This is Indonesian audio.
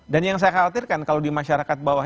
dan yang saya khawatirkan kalau di masyarakat bawah